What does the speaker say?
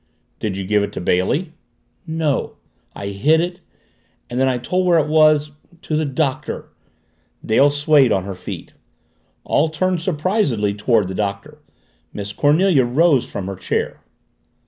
"Did you give it to Bailey?" "No I hid it and then I told where it was to the Doctor " Dale swayed on her feet. All turned surprisedly toward the Doctor. Miss Cornelia rose from her chair.